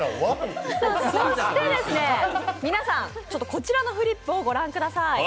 そして皆さん、こちらのフリップをご覧ください。